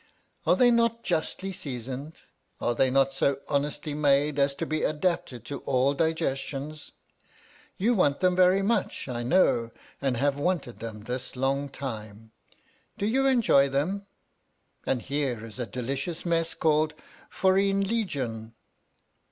Are they not justly seasoned ? Are they not so honestly made, as to be adapted to all digestions 1 You want them very much, I know, and have wanted them this long time. Do you enjoy them ? And here is a delicious mess, called Foreen Leejun.